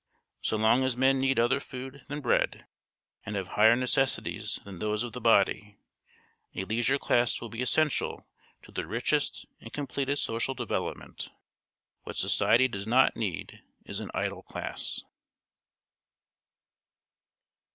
So long as men need other food than bread, and have higher necessities than those of the body, a leisure class will be essential to the richest and completest social development. What society does not need is an idle class.